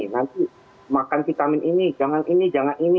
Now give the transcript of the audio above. nanti makan vitamin ini jangan ini jangan ini